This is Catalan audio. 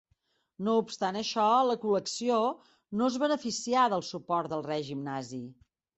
No obstant això, la col·lecció no es beneficià del suport del règim nazi.